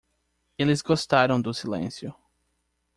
Eles gostaram do silêncio.